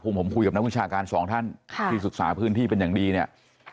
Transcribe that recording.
ผมคุยกับนักวิชาการสองท่านที่ศึกษาพื้นที่เป็นอย่างดีเนี่ย